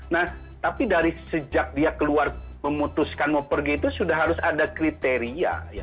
nah tapi dari sejak dia keluar memutuskan mau pergi itu sudah harus ada kriteria